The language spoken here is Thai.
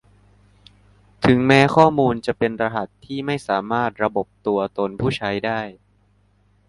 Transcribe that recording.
ถึงแม้ข้อมูลจะเป็นรหัสที่ไม่สามารถระบบตัวตนผู้ใช้ได้